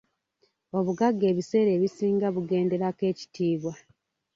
Obugagga ebiseera ebisinga bugenderako ekitiibwa.